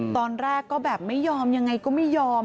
ตอนแรกก็แบบไม่ยอมยังไงก็ไม่ยอม